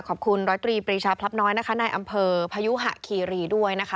ขอบคุณรตรีปริชาพรับน้อยในอำเภอพยุหะขีรีด้วยนะคะ